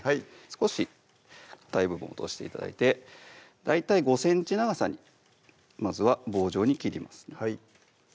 少しかたい部分落として頂いて大体５ｃｍ長さにまずは棒状に切ります